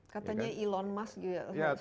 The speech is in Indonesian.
katanya elon musk juga